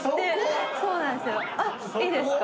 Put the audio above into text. そこ⁉いいですか？